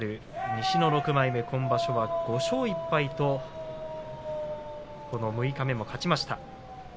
西の６枚目今場所５勝１敗と勝ちました。